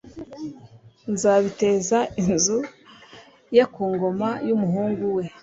nzabiteza inzu ye ku ngoma y umuhungu we